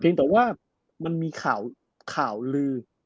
แต่ว่ามันมีข่าวลือ